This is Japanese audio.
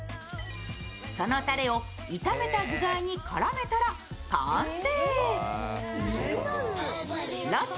そのタレを炒めた具材に絡めたら完成。